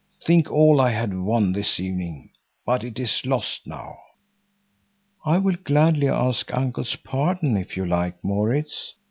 Think all I had won this evening! But it is lost now." "I will gladly ask Uncle's pardon, if you like, Maurits."